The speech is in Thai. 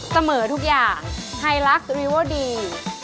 เสมอทุกอย่างไฮลักซ์ตรีวอลดี